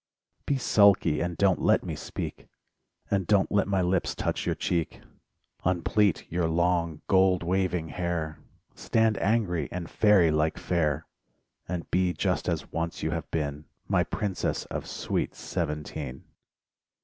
t Be sulky and don't let me speak, And don't let my lips touch your cheek, * Unplait your long gold waving hair, Stand angry and fairy like fair, And be just as once you have been, My princess of sweet seventeen.